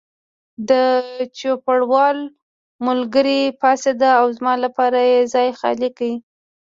د چوپړوال ملګری پاڅېد او زما لپاره یې ځای خالي کړ.